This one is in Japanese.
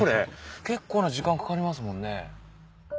結構な時間かかりますもんね。